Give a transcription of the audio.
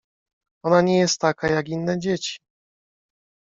— Ona nie jest taka, jak inne dzieci.